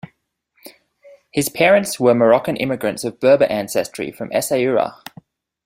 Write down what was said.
His parents were Moroccan immigrants of Berber ancestry from Essaouira.